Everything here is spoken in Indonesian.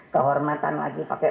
kehormatan lagi pakai